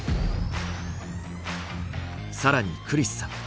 更にクリスさん